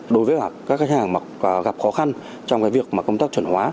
đối với các khách hàng mặc khó khăn trong cái việc mà công tác chuẩn hóa